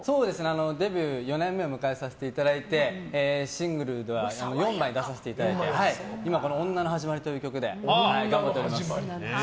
デビュー４年目を迎えさせていただいてシングル４枚出させていただいて今「女のはじまり」という曲で頑張っております。